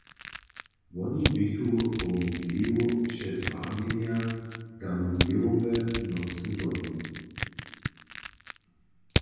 Woni běchu wo muzeju přez wabjenje za muzejowe nocy zhonili.